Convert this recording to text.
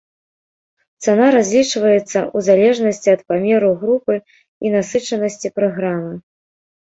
Цана разлічваецца ў залежнасці ад памеру групы і насычанасці праграмы.